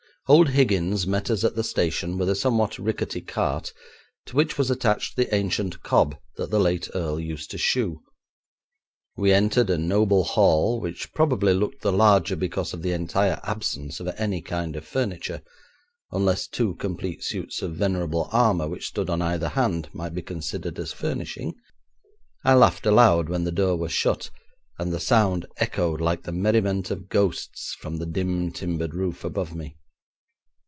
Old Higgins met us at the station with a somewhat rickety cart, to which was attached the ancient cob that the late earl used to shoe. We entered a noble hall, which probably looked the larger because of the entire absence of any kind of furniture, unless two complete suits of venerable armour which stood on either hand might be considered as furnishing. I laughed aloud when the door was shut, and the sound echoed like the merriment of ghosts from the dim timbered roof above me.